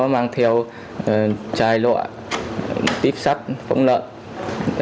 mang theo chai lọa tiếp sắt phóng lợn thường giữ nhau